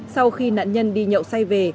sau khi nạn nhân đi nhậu say về